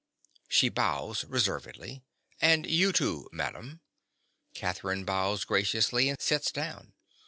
(She bows reservedly.) And you, too, madam. (_Catherine bows graciously and sits down.